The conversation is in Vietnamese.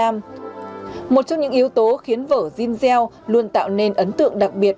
một trong những yếu tố khiến vở zinzel luôn tạo nên ấn tượng đặc biệt